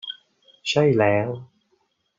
ใช่แล้ว